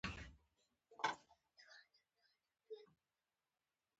که اړینه وي خبرې یې نوټ کړئ.